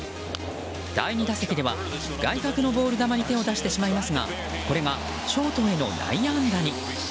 第２打席では、外角のボール球に手を出してしまいますがこれがショートへの内野安打に。